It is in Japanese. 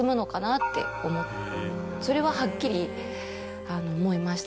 それははっきり思いました。